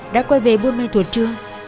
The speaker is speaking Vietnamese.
đã quay về buôn mệt thuật chưa